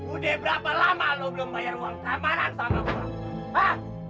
udah berapa lama lo belum bayar uang kemarin sama gue